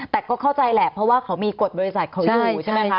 แต่ก็เข้าใจแหละเพราะว่าเขามีกฎบริษัทเขาอยู่ใช่ไหมคะ